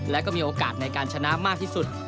และก็มีโอกาสในการชนะมากที่สุด